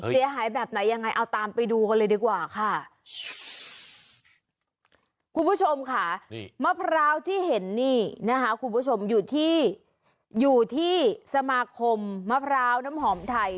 คุณผู้ชมค่ะมะพร้าวที่เห็นนี่นะฮะคุณผู้ชมอยู่ที่อยู่ที่สมาคมมะพร้าวน้ำหอมไทย